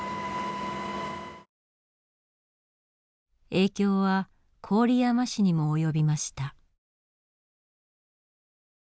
影響は郡山市にも及びました。